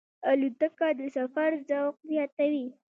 الوتکه د سفر ذوق زیاتوي.